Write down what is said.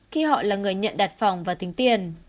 khi họ là người nhận đặt phòng và tính tiền